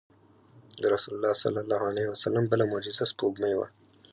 د رسول الله صلی الله علیه وسلم بله معجزه سپوږمۍ وه.